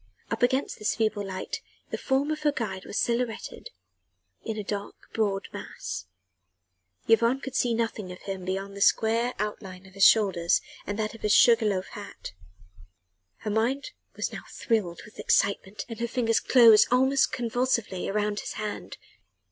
Up against this feeble light the form of her guide was silhouetted in a broad, dark mass. Yvonne could see nothing of him beyond the square outline of his shoulders and that of his sugar loaf hat. Her mind now was thrilled with excitement and her fingers closed almost convulsively round his hand.